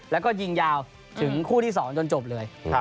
แล้วก็ยิงยาวถึงคู่ที่๒จนจบเลย